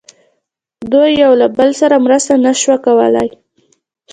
دوی یو له بل سره مرسته نه شوه کولای.